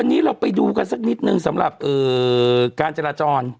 วันนี้เราไปดูกันสักนิดนึงสำหรับการจราจร